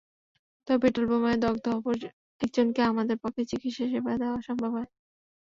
তবে পেট্রলবোমায় দগ্ধ অপর একজনকে আমাদের পক্ষে চিকিৎসা সেবা দেওয়া সম্ভব হয়।